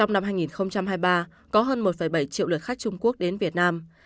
trong năm hai nghìn hai mươi ba có hơn một bảy triệu lượt khách trung quốc đến việt nam